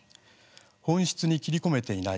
本質に切り込めていない。